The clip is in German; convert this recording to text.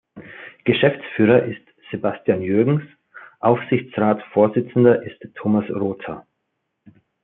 Geschäftsführer ist Sebastian Jürgens; Aufsichtsratsvorsitzender ist Thomas Rother.